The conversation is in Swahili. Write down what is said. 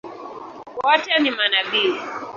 Wote ni manabii?